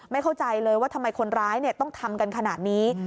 เข้าใจเลยว่าทำไมคนร้ายต้องทำกันขนาดนี้